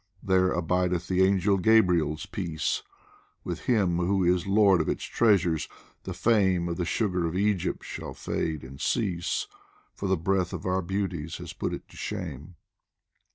There abide th the angel Gabriel's peace With him who is lord of its treasures ; the fame Of the sugar of Egypt shall fade and cease, For the breath of our beauties has put it to shame.